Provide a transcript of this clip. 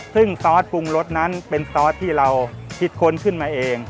ซึ่งซอสปรุงรสนั้นเป็นซอสที่เราคิดค้นขึ้นมาเอง